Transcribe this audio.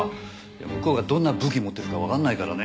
向こうがどんな武器持ってるかわかんないからね。